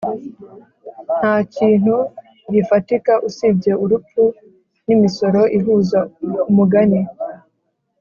ntakintu gifatika usibye urupfu n'imisoro ihuza umugani